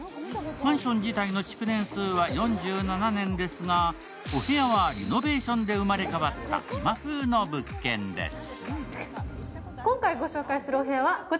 マンション自体の築年数は４７年ですが、お部屋はリノベーションで生まれ変わった今風の物件です。